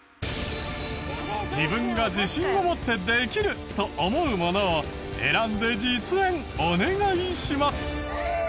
自分が自信を持ってできると思うものを選んで実演お願いします。